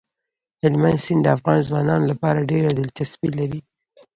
هلمند سیند د افغان ځوانانو لپاره ډېره دلچسپي لري.